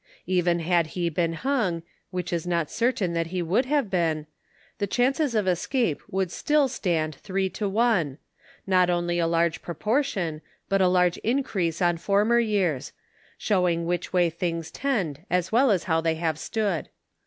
Even had he been hung, which it is not certain that he would have been, the chances of escape would still stand three to one; not only a large proportion, but a large increase on former years ; showing which way things tend as well as how they have stood.